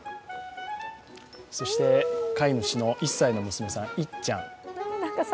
そして、飼い主の１歳の娘さんいっちゃん。